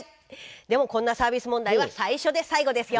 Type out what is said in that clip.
でもこんなサービス問題は最初で最後ですよ。